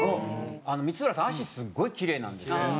光浦さん足すごいキレイなんですよ。